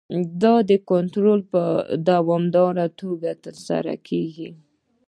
دا کنټرول په دوامداره توګه ترسره کیږي.